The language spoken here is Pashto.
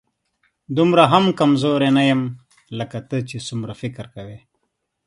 دومره هم کمزوری نه یم، لکه ته چې څومره فکر کوې